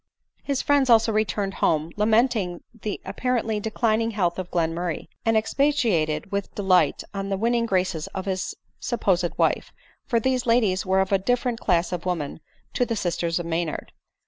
His friends also returned home, lamenting the appa rently declining health of Glenmurray, and expatiating with delight on the winning graces of his supposed wife ; for these ladies were of a different class of women to the sisters of Maynard.